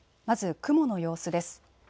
まず雲の様子です。